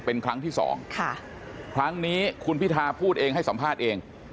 เป็นครั้งที่สองค่ะครั้งนี้คุณพิทาพูดเองให้สัมภาษณ์เอง